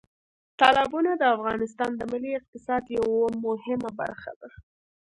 تالابونه د افغانستان د ملي اقتصاد یوه مهمه برخه ده.